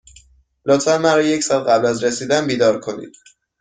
لطفا مرا یک ساعت قبل از رسیدن بیدار کنید.